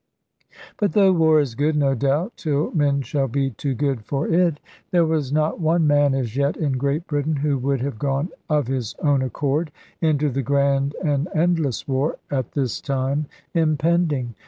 But though war is good, no doubt (till men shall be too good for it), there was not one man as yet in Great Britain, who would have gone of his own accord into the grand and endless war at this time impending.